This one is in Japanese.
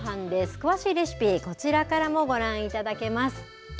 詳しいレシピ、こちらからもご覧いただけます。